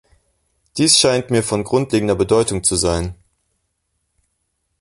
Dies scheint mir von grundlegender Bedeutung zu sein.